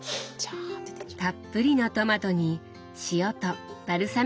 たっぷりのトマトに塩とバルサミコ酢。